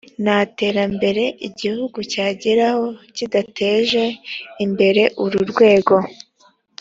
nta terambere igihugu cyageraho kidateje imbere uru rwego